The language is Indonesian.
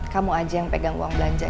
kamu aja yang pegang uang belanja